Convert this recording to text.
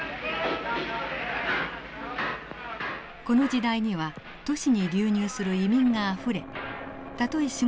この時代には都市に流入する移民があふれたとえ